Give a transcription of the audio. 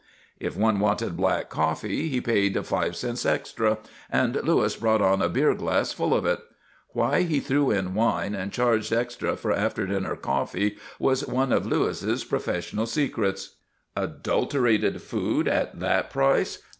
If one wanted black coffee he paid five cents extra, and Louis brought on a beer glass full of it. Why he threw in wine and charged extra for after dinner coffee was one of Louis' professional secrets. Adulterated food at that price?